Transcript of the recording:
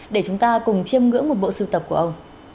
để chúng ta cùng chiêm ngưỡng một bộ sưu tập của ông